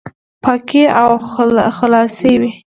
پاکي او خلاصي وي،